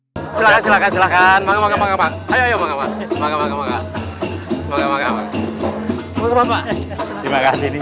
oh lagi ada halangan